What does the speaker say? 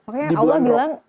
makanya allah bilang